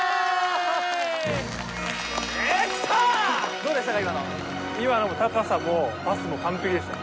どうでしたか？